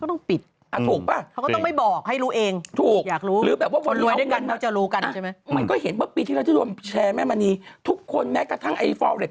เอาเงินมากองเอาจริงเธอเห็นนะ